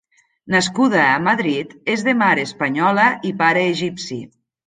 Nascuda a Madrid, és de mare espanyola i pare egipci.